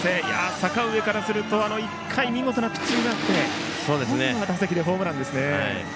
阪上からすると１回に見事なピッチングがあってそのすぐあとの打席でホームランですね。